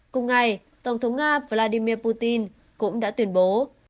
cùng ngày tổng thống nga vladimir putin cũng đã tuyên bố